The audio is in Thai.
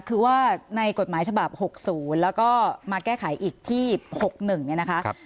คือว่าในกฎหมายฉบาปหกศูนย์แล้วก็มาแก้ไขอีกที่หกหนึ่งเนี้ยนะคะครับ